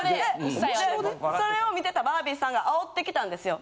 それを見てたバービーさんが煽ってきたんですよ。